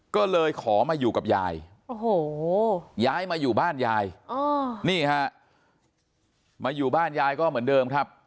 ก็เลยขอมาอยู่กับยายโอ้โหย้ายมาอยู่บ้านยายนี่ฮะมาอยู่บ้านยายก็เหมือนเดิมครับ